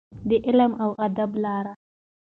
د علم او ادب لاره.